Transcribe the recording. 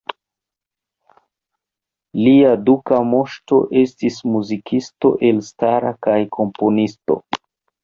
Lia duka moŝto estis muzikisto elstara kaj komponisto.